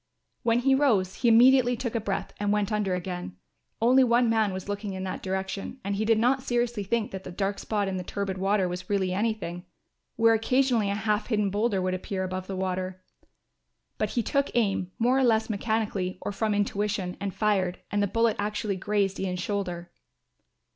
When he rose he immediately took a breath and went under again. Only one man was looking in that direction and he did not seriously think that the dark spot in the turbid river was really anything; where occasionally a half hidden boulder would appear above the water. But he took aim, more or less mechanically or from intuition, and fired, and the bullet actually grazed Ian's shoulder.